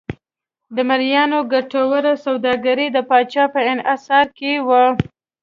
د مریانو ګټوره سوداګري د پاچا په انحصار کې وه.